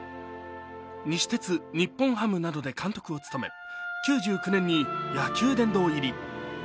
西鉄・日本ハムなどで監督を務め９９年に野球殿堂入り。